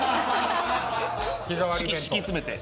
敷き詰めて。